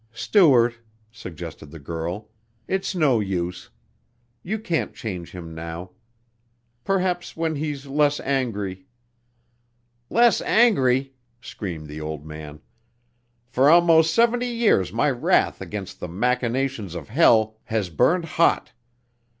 "Stuart," suggested the girl, "it's no use. You can't change him now. Perhaps when he's less angry " "Less angry!" screamed the old man. "For almost seventy years my wrath against the machinations of hell has burned hot.